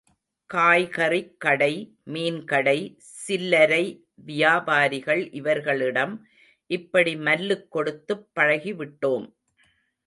காய்கறிக் கடை, மீன் கடை, சில்லரை வியாபாரிகள் இவர்களிடம் இப்படி மல்லுக் கொடுத்துப் பழகிவிட்டோம்.